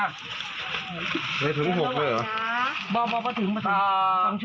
ก็ถึง๖เพื่อเหรอ